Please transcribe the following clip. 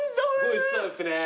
おいしそうですね。